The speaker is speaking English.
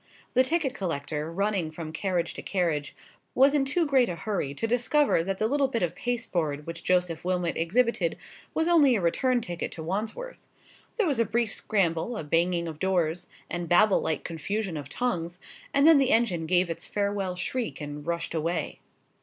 The ticket collector, running from carriage to carriage, was in too great a hurry to discover that the little bit of pasteboard which Joseph Wilmot exhibited was only a return ticket to Wandsworth. There was a brief scramble, a banging of doors, and Babel like confusion of tongues; and then the engine gave its farewell shriek and rushed away.